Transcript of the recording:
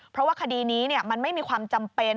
เพราะว่าคดีนี้มันไม่มีความจำเป็น